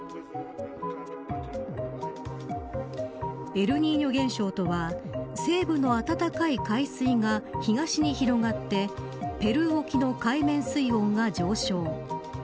エルニーニョ現象とは西部の暖かい海水が東に広がってペルー沖の海面水温が上昇。